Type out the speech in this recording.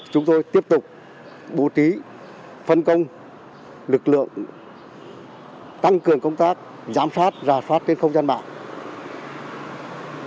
chúng tôi tiếp tục bố trí phân công lực lượng tăng cường công tác giám sát rà soát trên không gian mạng